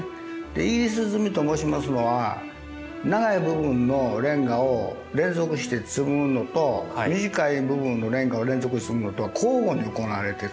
イギリス積みと申しますのは長い部分のレンガを連続して積むのと短い部分のレンガを連続して積むのと交互に行われている。